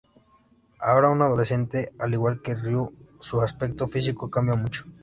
Ahora una adolescente, al igual que Ryu, su aspecto físico cambia mucho.